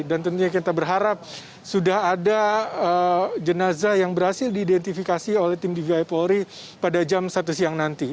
dan tentunya kita berharap sudah ada jenazah yang berhasil diidentifikasi oleh tim dgnri pada jam satu siang nanti